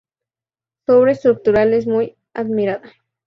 Su obra estructural es muy admirada.